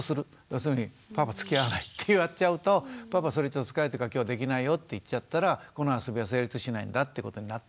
要するに「パパつきあわない」ってやっちゃうとパパそれちょっと疲れてるから今日はできないよって言っちゃったらこの遊びは成立しないんだってことになって子どもには伝わる。